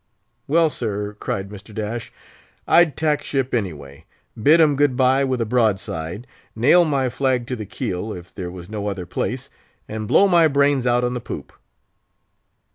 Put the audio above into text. "Well, sir," cried Mr. Dash, "I'd tack ship, anyway; bid 'em good by with a broadside; nail my flag to the keel, if there was no other place; and blow my brains out on the poop!"